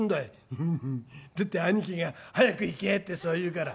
「フフフだって兄貴が『早く行け』ってそう言うから」。